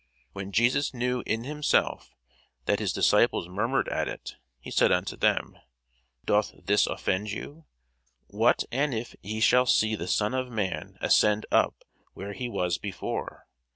When Jesus knew in himself that his disciples murmured at it, he said unto them, Doth this offend you? What and if ye shall see the Son of man ascend up where he was before?